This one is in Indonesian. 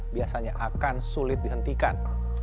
biasanya akan sulit dihentikan